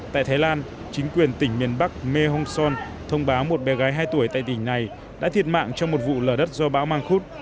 tại thái lan chính quyền tỉnh miền bắc mê hong son thông báo một bé gái hai tuổi tại tỉnh này đã thiệt mạng trong một vụ lở đất do bão mang khúc